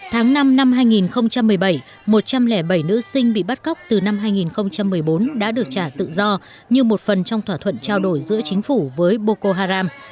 tháng năm năm hai nghìn một mươi bảy một trăm linh bảy nữ sinh bị bắt cóc từ năm hai nghìn một mươi bốn đã được trả tự do như một phần trong thỏa thuận trao đổi giữa chính phủ với bokoharam